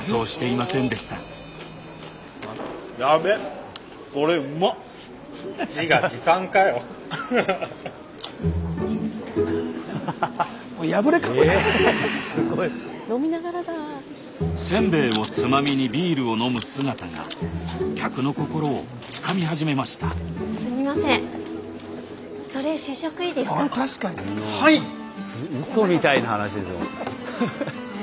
うそみたいな話ですね。